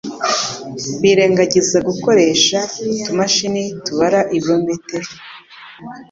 birengagiza gukoresha utumashini tubara ibirometero